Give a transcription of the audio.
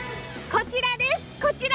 こちらです！